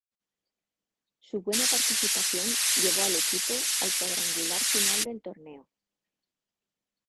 Su buena participación llevó al equipo al cuadrangular final del torneo.